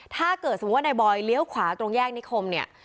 ถ้าเกิดสมมุติว่านายบอยเลี้ยวขวาตรงแยกนิคมเนี่ย